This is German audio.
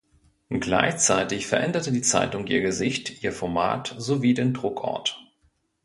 Gleichzeitig veränderte die Zeitung ihr Gesicht, ihr Format sowie den Druckort.